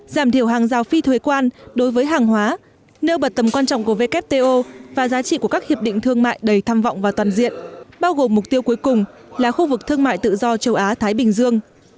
giảm thiểu hàng rào phi thuế quan đối với hàng hóa nêu bật tầm quan trọng của wto và giá trị của các hiệp định thương mại đầy tham vọng và toàn diện bao gồm mục tiêu cuối cùng là khu vực thương mại tự do châu á thái bình dương